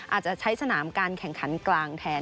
อาจจะใช้สนามการแข่งขันกลางแทน